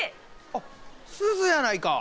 あっすずやないか。